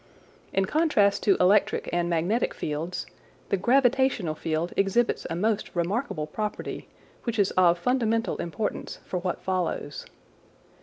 In contrast to electric and magnetic fields, the gravitational field exhibits a most remarkable property, which is of fundamental importance for what follows.